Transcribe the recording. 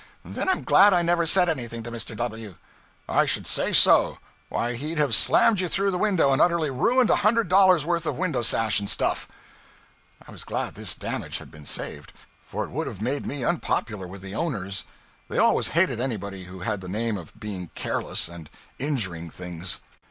Then I'm glad I never said anything to Mr. W ' 'I should say so. Why, he'd have slammed you through the window and utterly ruined a hundred dollars' worth of window sash and stuff.' I was glad this damage had been saved, for it would have made me unpopular with the owners. They always hated anybody who had the name of being careless, and injuring things.